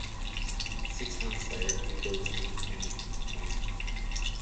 Six months later, he goes to Amica Wronki.